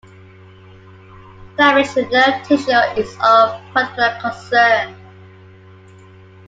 Damage to nerve tissue is of particular concern.